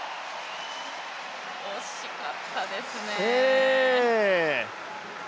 惜しかったですね。